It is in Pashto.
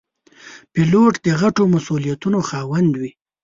پیلوټ د غټو مسوولیتونو خاوند وي.